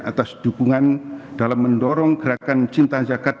atas dukungan dalam mendorong gerakan cinta zakat